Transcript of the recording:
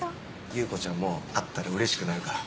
優子ちゃんも会ったらうれしくなるから。